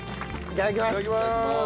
いただきます。